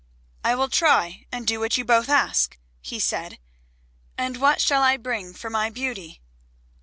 "I will try and do what you both ask," he said, "and what shall I bring for my Beauty?"